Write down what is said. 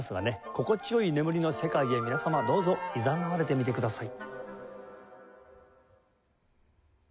心地良い眠りの世界へ皆様どうぞいざなわれてみてください。